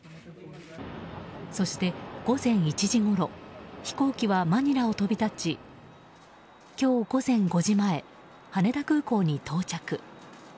そして午前１時ごろ飛行機はマニラを飛び立ち今日午前５時前、羽田空港に到着。